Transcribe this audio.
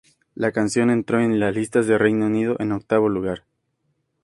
La canción entró en las listas de Reino Unido en octavo lugar.